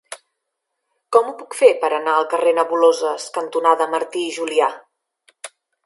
Com ho puc fer per anar al carrer Nebuloses cantonada Martí i Julià?